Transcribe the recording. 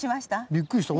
びっくりした。